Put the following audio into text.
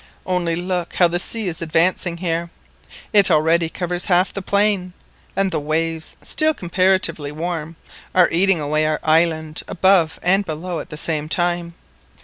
Only look how the sea is advancing here. It already covers half the plain, and the waves, still comparatively warm, are eating away our island above and below at the same time!